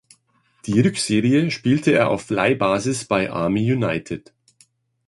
Die Rückserie spielte er auf Leihbasis bei Army United.